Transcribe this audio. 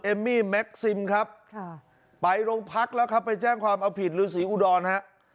มี่แม็กซิมครับค่ะไปโรงพักแล้วครับไปแจ้งความเอาผิดฤษีอุดรฮะ